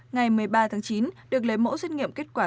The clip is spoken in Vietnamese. ngày một mươi ba tháng chín được lấy mẫu xét nghiệm kết quả